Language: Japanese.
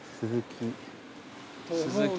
鈴木。